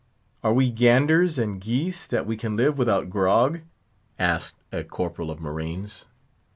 "Are we ganders and geese, that we can live without grog?" asked a Corporal of Marines.